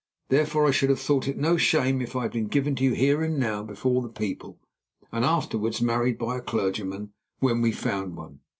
Therefore, I should have thought it no shame if I had been given to you here and now before the people, and afterwards married by a clergyman when we found one.